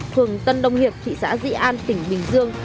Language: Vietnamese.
phường tân đông hiệp thị xã di an tỉnh bình dương